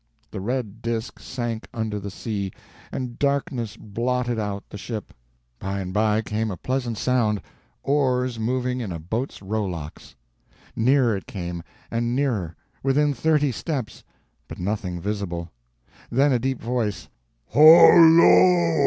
The red disk sank under the sea, and darkness blotted out the ship. By and by came a pleasant sound oars moving in a boat's rowlocks. Nearer it came, and nearer within thirty steps, but nothing visible. Then a deep voice: "Hol lo!"